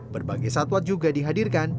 berbagai satwa juga dihadirkan